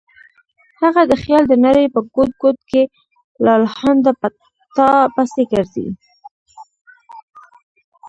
هغه د خیال د نړۍ په ګوټ ګوټ کې لالهانده په تا پسې ګرځي.